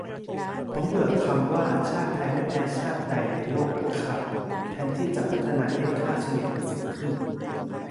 ผมเบื่อคำว่าชาติไทยไม่แพ้ชาติใดในโลกอ่ะครับ แทนที่จะพัฒนาให้ค่าเฉลี่ยมันสูงขึ้น